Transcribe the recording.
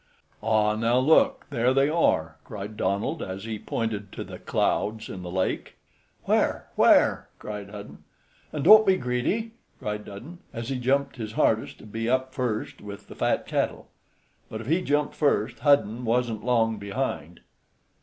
"Ah, now, look! there they are!" cried Donald as he pointed to the clouds in the lake. "Where? where?" cried Hudden, and "Don't be greedy!" cried Dudden, as he jumped his hardest to be up first with the fat cattle. But if he jumped first, Hudden wasn't long behind.